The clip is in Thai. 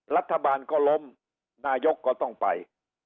รัฐบาลก็ล้มนายกก็ต้องไป